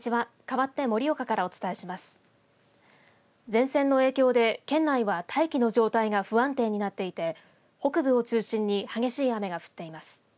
前線の影響で県内は大気の状態が不安定になっていて北部を中心に激しい雨が降っています。